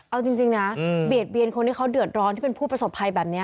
เอาจริงนะเบียดเบียนคนที่เขาเดือดร้อนที่เป็นผู้ประสบภัยแบบนี้